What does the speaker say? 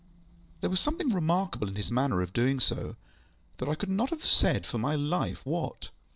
There was something remarkable in his manner of doing so, though I could not have said for my life what.